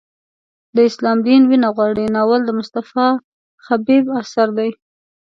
د اسلام دین وینه غواړي ناول د مصطفی خبیب اثر دی.